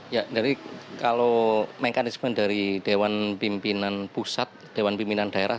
ya dari kalau mekanisme dari dewan pimpinan pusat dewan pimpinan daerah